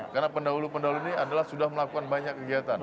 karena pendahulu pendahulu ini adalah sudah melakukan banyak kegiatan